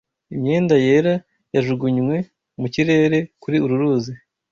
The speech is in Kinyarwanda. imyenda yera yajugunywe mu kirere kuri uru ruzi